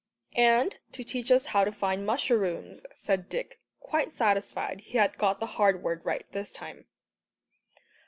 "And to teach us how to find musherrooms," said Dick, quite satisfied he had got the hard word right this time.